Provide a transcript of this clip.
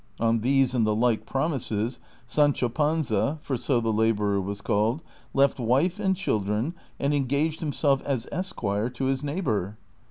On these and the like promises Sancho Panza (for so the laborer Avas called) left wife and children, and engaged himself as esquire to his neighbor.